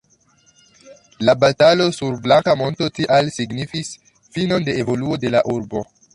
La batalo sur Blanka Monto tial signifis finon de evoluo de la urbo.